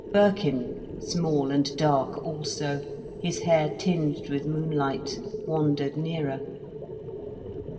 Birkin, small and dark also, his hair tinged with moonlight, wandered nearer.